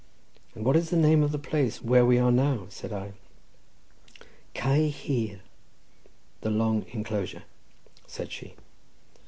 "And what is the name of the place where we are now?" said I. "Cae Hir" (the long inclosure), said she.